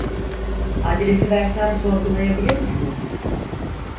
Adresi versem sorgulayabilir misiniz